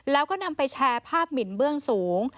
แล้วก็นำไปแชร์ภาพหมินเบื้องสูง